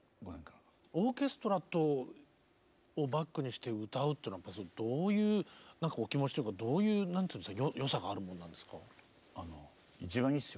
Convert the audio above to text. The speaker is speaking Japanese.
オーケストラをバックにして歌うというのはどういうお気持ちというかどういう良さがあるものですか？